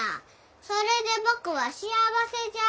それで僕は幸せじゃあ。